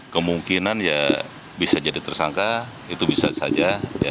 kemungkinan ya bisa jadi tersangka itu bisa saja